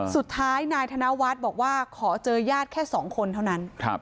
สุดท้ายนายธนวัฒน์บอกว่าขอเจอญาติแค่๒คนเท่านั้น